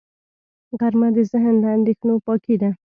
غرمه د ذهن له اندېښنو پاکي ده